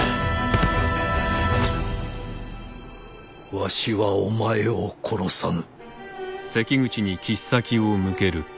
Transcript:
わしはお前を殺さぬ。